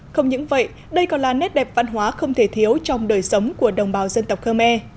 không những vậy đây còn là nét đẹp văn hóa không thể thiếu trong đời sống của đồng bào dân tộc khơ me